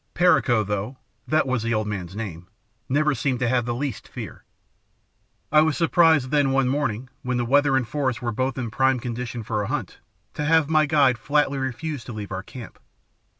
"Perico, though, that was the old man's name, never seemed to have the least fear. "I was surprised, then, one morning when the weather and forest were both in prime condition for a Hunt, to have my guide flatly refuse to leave our camp.